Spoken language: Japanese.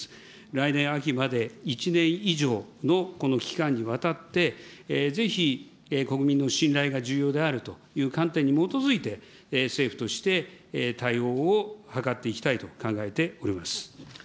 来年秋まで、１年以上のこの期間にわたって、ぜひ国民の信頼が重要であるという観点に基づいて、政府として対応を図っていきたいと考えております。